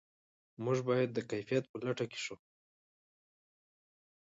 موږ باید د کیفیت په لټه کې شو.